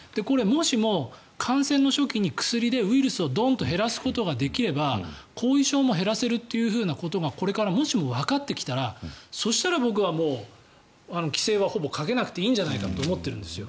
もしも、感染の初期に薬でウイルスをドンと減らすことができれば後遺症も減らせるということがこれから、もしもわかってきたらそしたら僕はもう規制はほぼかけなくていいんじゃないかと思ってるんですよ。